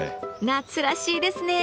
夏らしいですね。